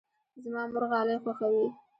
زما مور غالۍ خوښوي.